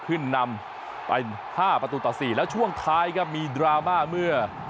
ขึ้นนำไปห้าประตูต่อ๔แล้วช่วงท้ายครับมีดราม่าเมื่อ